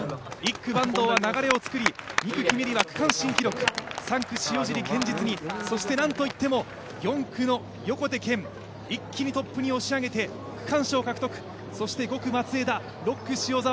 １区・坂東は流れを作り、２区・キメリは区間新記録３区塩尻堅実に、そして何といっても４区の横手健、一気にトップに押し上げて区間賞獲得、そして５区・松枝、６区・塩澤。